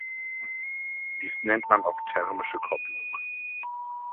Dies nennt man auch thermische Kopplung.